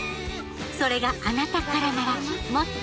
それがあなたからならもっと